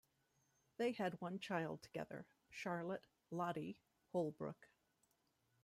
They had one child together, Charlotte "Lottie" Holbrook.